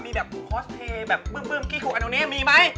มีแบบคอสเทแบบบึ้มขี้คลุกอันนู้นเนี้ยมีมั้ย